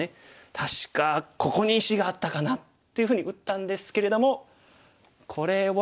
「確かここに石があったかな？」っていうふうに打ったんですけれどもこれは。